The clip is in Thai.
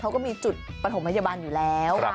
เขาก็มีจุดปฐมพยาบาลอยู่แล้ว